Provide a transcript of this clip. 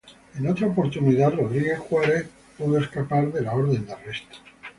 En otra oportunidad, Rodríguez Juárez pudo escapar de la orden de arresto.